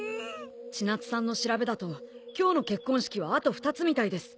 千夏さんの調べだと今日の結婚式はあと２つみたいです。